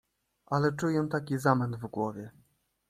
"Ale czuję taki zamęt w głowie."